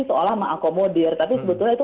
seolah mengakomodir tapi sebetulnya itu